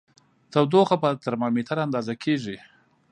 تودوخه په ترمامیتر اندازه کېږي.